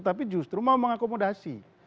tapi justru mau mengakomodasi